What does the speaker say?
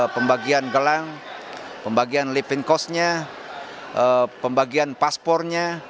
pembagian gelang pembagian lipping cost nya pembagian paspornya